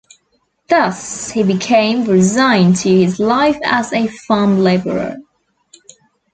Thus, he became resigned to his life as a farm laborer.